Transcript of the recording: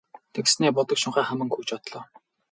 Тэгснээ будаг шунхаа хаман гүйж одлоо.